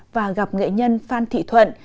và gặp nghệ nhân phan thị thuận